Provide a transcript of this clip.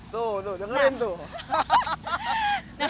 tuh tuh dengerin tuh